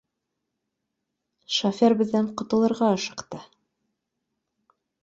— Шофер беҙҙән ҡотолорға ашыҡты.